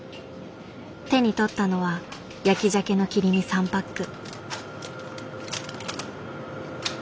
手に取ったのは焼きじゃけの切り身３パック。